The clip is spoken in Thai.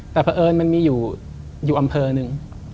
แต่เพราะเอิญมันมีอยู่อำเภอหนึ่ง